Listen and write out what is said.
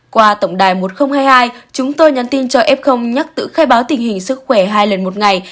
qua tổng đài một nghìn hai mươi hai chúng tôi nhắn tin cho f nhắc tự khai báo tình hình sức khỏe hai lần một ngày